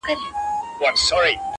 نو مو لاس وي له وحشيی نړۍ پرېولی!.